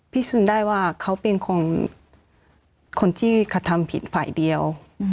พิสูจน์ได้ว่าเขาเป็นของคนที่กระทำผิดฝ่ายเดียว